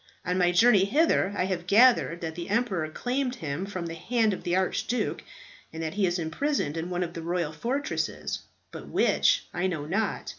On my journey hither I have gathered that the emperor claimed him from the hand of the Archduke, and that he is imprisoned in one of the royal fortresses; but which, I know not.